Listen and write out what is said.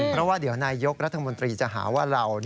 เพราะว่าเดี๋ยวนายยกรัฐมนตรีจะหาว่าเรา